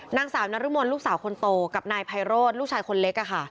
นางสาวนรมนลูกสาวคนโตกับนายไพโรธลูกชายคนเล็ก